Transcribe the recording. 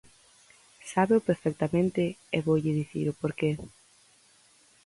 Sábeo perfectamente e voulle dicir o porqué.